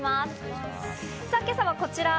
今朝はこちら。